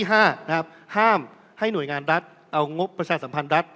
ห้ามให้หน่วยงานรัฐเอางบประชาสัมพันธ์รัฐ